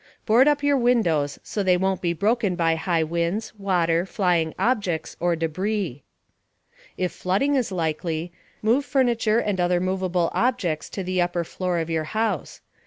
Board up your windows so they won't be broken by high winds, water, flying objects or debris. If flooding is likely, move furniture and other movable objects to the upper floor of your house.